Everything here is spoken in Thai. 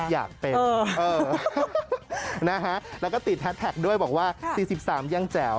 อยากเป็นนะฮะแล้วก็ติดแฮสแท็กด้วยบอกว่า๔๓ยังแจ๋ว